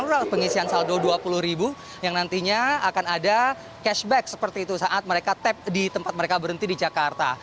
nah ini adalah pengisian saldo dua puluh ribu yang nantinya akan ada cashback seperti itu saat mereka tap di tempat mereka berhenti di jakarta